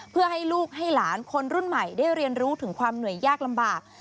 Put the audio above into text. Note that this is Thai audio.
เพื่อให้ลูกให้หลานคนรุ่นใหม่ได้เรียนรู้ถึงความเหนื่อยยากลำบาก